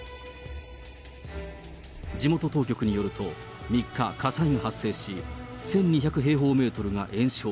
地元当局によると、３日、火災が発生し、１２００平方メートルが延焼。